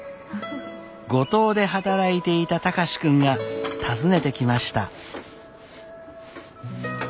五島で働いていた貴司君が訪ねてきました。